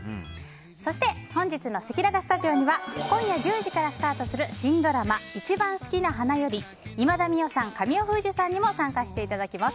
そして本日のせきららスタジオには今夜１０時からスタートする新ドラマ「いちばんすきな花」より今田美桜さん、神尾楓珠さんにも参加していただきます。